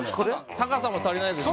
高さも足りないですし。